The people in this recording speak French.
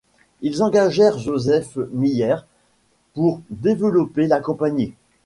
Ils engagèrent Joseph Myers pour développer la compagnie.